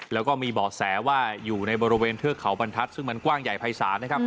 แล้วก็มีเบาะแสว่าอยู่ในบริเวณเทือกเขาบรรทัศน์ซึ่งมันกว้างใหญ่ภายศาลนะครับ